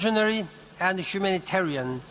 คุณพระเจ้า